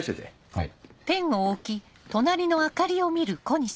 はい。